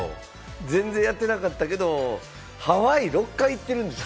全然やってなかったけど、ハワイ６回、行ってるんでしょ？